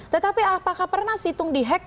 tetapi apakah pernah situng di hack